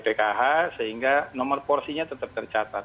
pkh sehingga nomor porsinya tetap tercatat